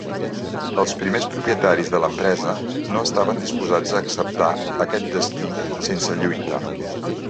Els primers propietaris de l'empresa no estaven disposats a acceptar aquest destí sense lluita.